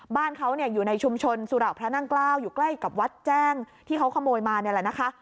บ้านเขาอยู่ในชุมชนสุระพระนั่งเกล้าอยู่ใกล้กับวัดแจ้งที่เขาขโมยมานี่แหละนะคะ